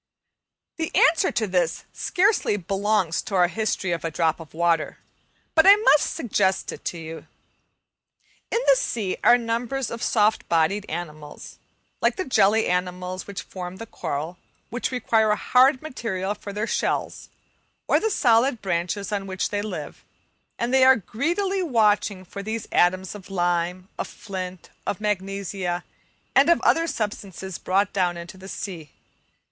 The answer to this scarcely belongs to our history of a drop of water, but I must just suggest it to you. In the sea are numbers of soft bodied animals, like the jelly animals which form the coral, which require hard material for their shells or the solid branches on which they live, and they are greedily watching for these atoms of lime, of flint, or magnesia, and of other substances brought down into the sea.